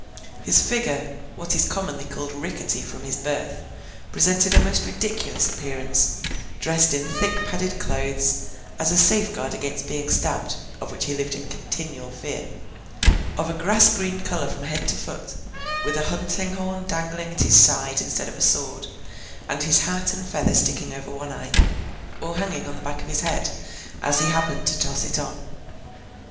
His figure—what is commonly called rickety from his birth—presented a most ridiculous appearance, dressed in thick padded clothes, as a safeguard against being stabbed (of which he lived in continual fear), of a grass green colour from head to foot, with a hunting horn dangling at his side instead of a sword, and his hat and feather sticking over one eye, or hanging on the back of his head, as he happened to toss it on.